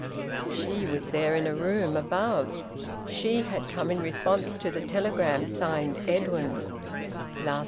She was there in a room above! She had come in response to the telegram signed `Edwin!'